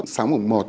sáng mùng một